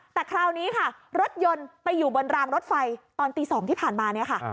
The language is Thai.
แต่คราวนี้ค่ะรถยนต์ไปอยู่บนรางรถไฟตอนตี๒ที่ผ่านมาเนี่ยค่ะ